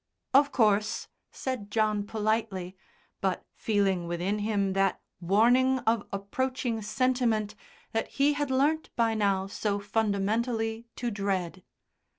"Of course," said John politely, but feeling within him that warning of approaching sentiment that he had learnt by now so fundamentally to dread.